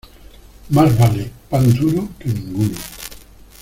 Más vale pan duro que ninguno.